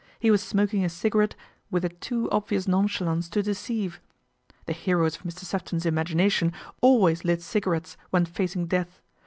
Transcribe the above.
He was smoking a cigarette with a too obvious nonchalance to deceive. The heroes of Mr. Sefton's imagination always lit cigarettes when facing death.